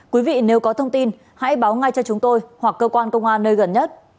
quý vị nếu có thông tin hãy báo ngay cho chúng tôi hoặc cơ quan công an nơi gần nhất